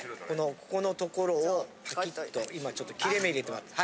ここの所をパキッと今ちょっと切れ目入れてもらってる。